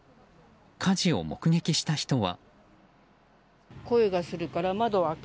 火事を目撃した人は。